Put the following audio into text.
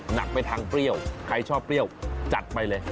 หนักไปทางเปรี้ยวใครชอบเปรี้ยวจัดไปเลย